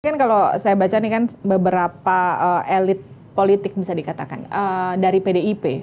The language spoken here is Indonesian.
kan kalau saya baca nih kan beberapa elit politik bisa dikatakan dari pdip